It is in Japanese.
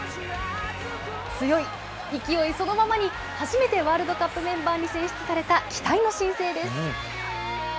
強い、勢いそのままに、初めてワールドカップメンバーに選出された期待の新星です。